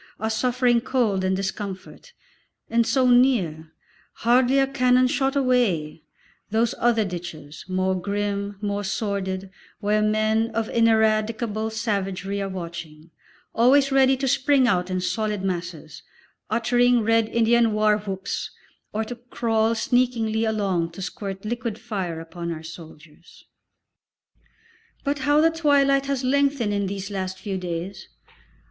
are suffering cold and discomfort, and so near, hardly a cannon shot away, those other ditches, more grim, more sordid, where men of ineradicable savagery are watching, always ready to spring out in solid masses, uttering Red Indian war whoops, or to crawl sneakingly along to squirt liquid fire upon our soldiers. But how the twilight has lengthened in these last few days!